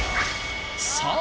さあ